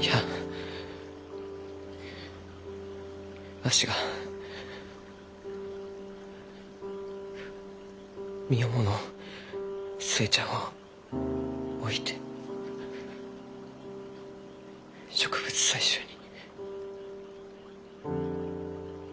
いやわしが身重の寿恵ちゃんを置いて植物採集に。